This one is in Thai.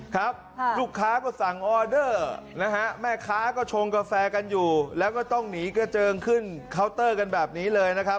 ครับลูกค้าก็สั่งออเดอร์นะฮะแม่ค้าก็ชงกาแฟกันอยู่แล้วก็ต้องหนีกระเจิงขึ้นเคาน์เตอร์กันแบบนี้เลยนะครับ